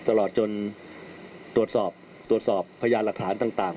ตลอดจนตรวจสอบพยายามหลักฐานต่าง